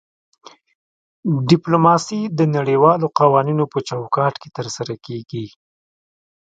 ډیپلوماسي د نړیوالو قوانینو په چوکاټ کې ترسره کیږي